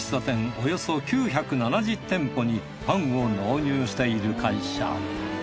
およそ９７０店舗にパンを納入している会社。